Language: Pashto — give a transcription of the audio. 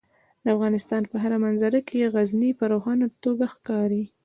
د افغانستان په هره منظره کې غزني په روښانه توګه ښکاري.